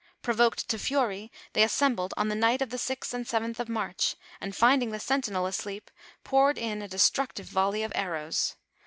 Provoked to fury they assembled on the night of the 6th and 7th of March, and finding the sentinel asleep, poured in a destructive volley of arrows.